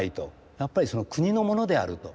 やっぱり国のものであると。